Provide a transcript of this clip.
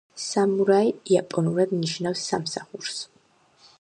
სამურაი იაპონურად ნიშნავს „სამსახურს“.